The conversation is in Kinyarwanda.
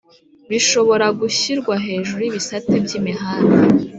bishobora gushyirwa hejuru y'ibisate by'imihanda